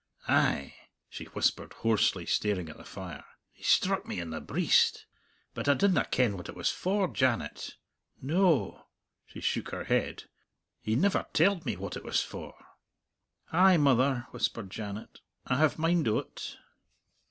Ay," she whispered hoarsely, staring at the fire, "he struck me in the breist. But I didna ken what it was for, Janet.... No," she shook her head, "he never telled me what it was for." "Ay, mother," whispered Janet, "I have mind o't."